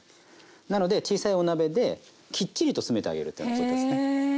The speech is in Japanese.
なので小さいお鍋できっちりと詰めてあげるっていうようなことですね。